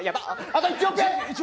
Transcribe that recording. あと１億円！